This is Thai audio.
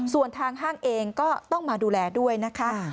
ส่วนทางห้างเองก็ต้องมาดูแลด้วยนะคะ